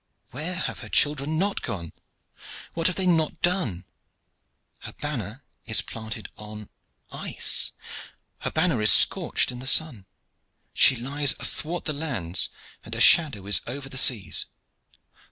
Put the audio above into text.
Where have her children not gone? What have they not done? Her banner is planted on ice. Her banner is scorched in the sun. She lies athwart the lands, and her shadow is over the seas.